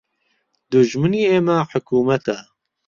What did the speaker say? دوژمنی ئێمە حکومەتە